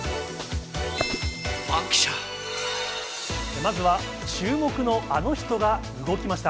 まずは注目のあの人が動きました。